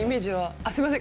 あっすいません